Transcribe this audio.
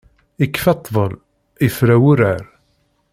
Ikfa ṭṭbel ifra wurar.